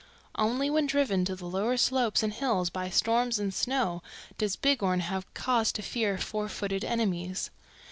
"Only when driven to the lower slopes and hills by storms and snow does Bighorn have cause to fear four footed enemies.